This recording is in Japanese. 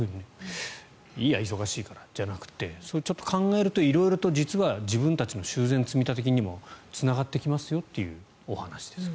いいや忙しいからじゃなくてちょっと考えると実は色々と自分たちの修繕積立金にもつながってきますというお話です。